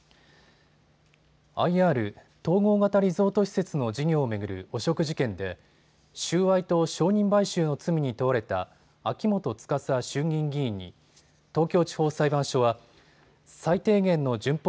ＩＲ・統合型リゾート施設の事業を巡る汚職事件で収賄と証人買収の罪に問われた秋元司衆議院議員に東京地方裁判所は最低限の順法